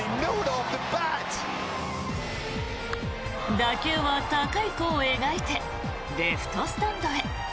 打球は高い弧を描いてレフトスタンドへ。